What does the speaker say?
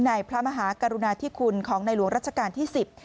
พระมหากรุณาธิคุณของในหลวงรัชกาลที่๑๐